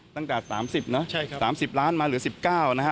ตั้งแต่๓๐นะ๓๐ล้านมาเหลือ๑๙นะฮะ